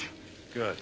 よし。